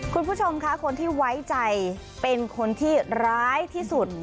คุณผู้ชมค่ะคนที่ไว้ใจเป็นคนที่ร้ายที่สุด